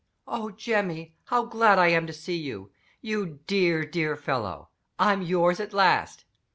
"Oh, Jemmy, how glad I am to see you! You dear, dear fellow. I'm yours at last."